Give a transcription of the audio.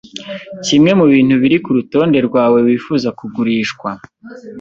Kimwe mubintu biri kurutonde rwawe wifuza kugurishwa.